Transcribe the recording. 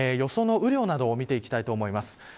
雨量などを見ていきたいと思います。